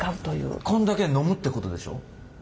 こんだけ飲むってことでしょ？